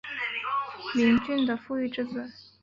明俊是傅玉之子。